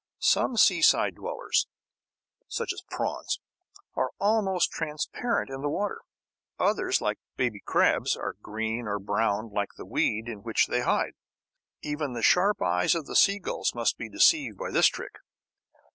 Some seaside dwellers, such as prawns, are almost transparent in the water. Others, like baby crabs, are green or brown like the weed in which they hide. Even the sharp eyes of the seagulls must be deceived by this trick.